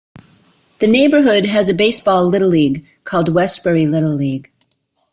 The neighborhood has a baseball little league called Westbury Little League.